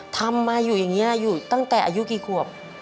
ทำมาอยู่อย่างนี้อยู่ตั้งแต่อายุกี่ขวบ